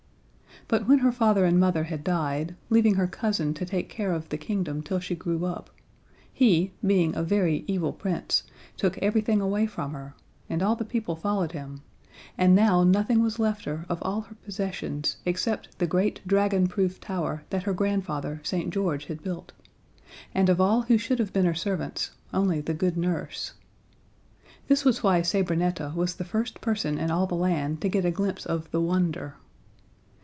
But when her father and mother had died, leaving her cousin to take care of the kingdom till she grew up, he, being a very evil Prince, took everything away from her, and all the people followed him, and now nothing was left her of all her possessions except the great dragon proof tower that her grandfather, St. George, had built, and of all who should have been her servants only the good nurse. This was why Sabrinetta was the first person in all the land to get a glimpse of the wonder.